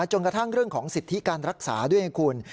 กระทั่งเรื่องของสิทธิการรักษาด้วยไงคุณ